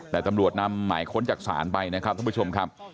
แต่ตำรวจนำหมายค้นจากศาลไปนะครับท่านผู้ชมครับ